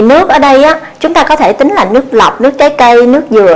nước lọc nước trái cây nước dừa